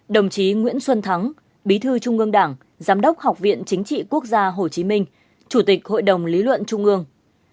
đồng chí nguyễn xuân thắng bí thư trung ương đảng giám đốc học viện chính trị quốc gia hồ chí minh chủ tịch hội đồng lý luận trung ương